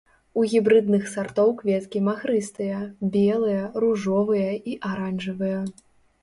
У гібрыдных сартоў кветкі махрыстыя, белыя, ружовыя і аранжавыя.